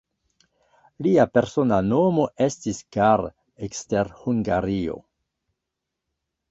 Lia persona nomo estis "Carl" ekster Hungario.